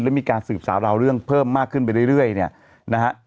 และมีการสืบสาวราวเรื่องเพิ่มมากขึ้นไปเรื่อยเนี่ยนะฮะ